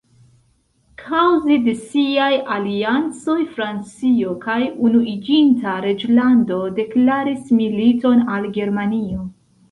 Kaŭze de siaj aliancoj Francio kaj Unuiĝinta Reĝlando deklaris militon al Germanio.